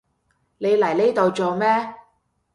你嚟呢度做咩？